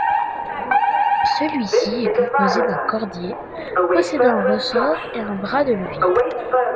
Celui-ci est composé d'un cordier possédant un ressort et un bras de levier.